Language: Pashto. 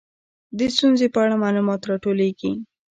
د ستونزې په اړه معلومات راټولیږي.